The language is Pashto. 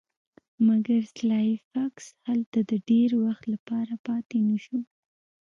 مګر سلای فاکس هلته د ډیر وخت لپاره پاتې نشو